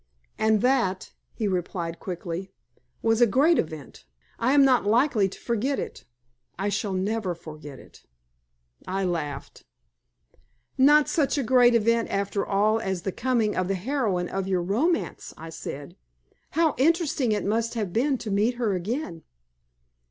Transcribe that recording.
"And that," he replied, quickly, "was a great event. I am not likely to forget it. I shall never forget it." I laughed. "Not such a great event after all as the coming of the heroine of your romance," I said. "How interesting it must have been to meet her again!"